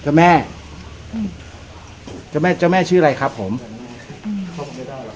เจ้าแม่อืมเจ้าแม่เจ้าแม่ชื่ออะไรครับผมอืม